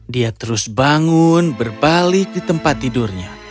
dia terus bangun berbalik di tempat tidurnya